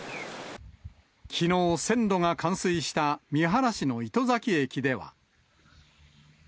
きのう、線路が冠水した三原市の糸崎駅では。